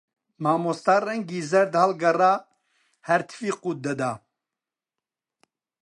مامۆستا ڕەنگی زەرد هەڵگەڕا، هەر تفی قووت دەدا